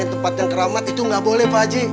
yang tempat yang keramat itu gak boleh pak ji